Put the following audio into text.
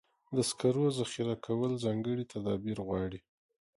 د سکرو ذخیره کول ځانګړي تدابیر غواړي.